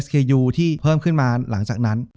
จบการโรงแรมจบการโรงแรม